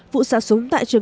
vụ xả súng tại trường